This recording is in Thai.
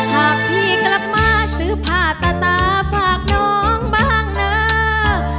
หากพี่กลับมาซื้อผ้าตาตาฝากน้องบ้างนะ